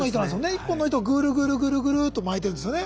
１本の糸をぐるぐるぐるぐると巻いてるんですよね。